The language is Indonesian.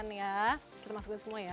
kita masukin semua ya